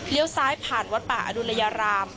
เลี้ยวซ้ายผ่านวัดป่าอดุลยาราม